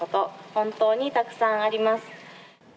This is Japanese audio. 本当にたくさんあります。